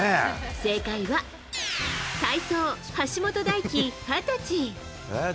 正解は体操橋本大輝、二十歳。